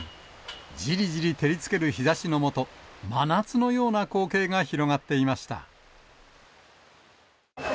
じりじり照りつける日ざしの下、真夏のような光景が広がっています